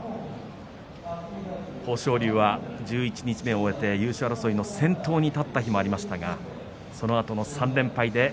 豊昇龍は十一日目を終えて優勝争いの先頭に立った時もありましたがそのあと３連敗。